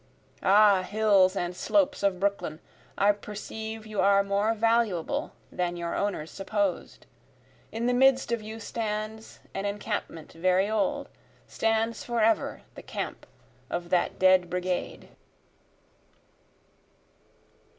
Ah, hills and slopes of Brooklyn! I perceive you are more valuable than your owners supposed; In the midst of you stands an encampment very old, Stands forever the camp of that dead brigade.